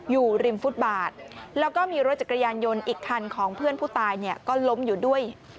อยู่ริมฟุตบาทแล้วก็มีรถจักรยานยนต์อีกคันของเพื่อนผู้ตายเนี่ยก็ล้มอยู่ด้วย